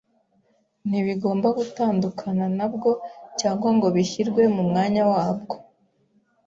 ntibigomba gutandukana na bwo, cyangwa ngo bishyirwe mu mwanya wabwo.